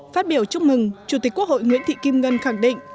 phát biểu chúc mừng chủ tịch quốc hội nguyễn thị kim ngân khẳng định